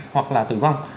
hoặc là tử vong